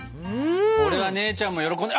これは姉ちゃんも喜んで。